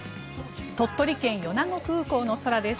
鳥取県・米子空港の空です。